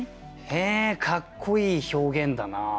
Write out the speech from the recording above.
へえかっこいい表現だなあ。